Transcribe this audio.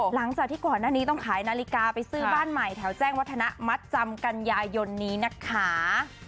หลังจากที่ก่อนหน้านี้ต้องขายนาฬิกาไปซื้อบ้านใหม่แถวแจ้งวัฒนะมัดจำกันยายนนี้นะคะ